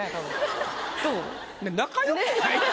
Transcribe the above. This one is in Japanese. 「仲良くない」って。